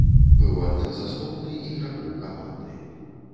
Быў адным з асноўны ігракоў каманды.